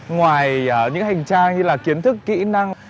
ngoài những hành trang như là kiến thức kỹ năng